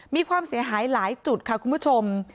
มีความเสียหายหลายจุดค่ะคุณผู้ชม